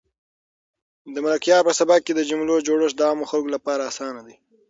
د ملکیار په سبک کې د جملو جوړښت د عامو خلکو لپاره اسان دی.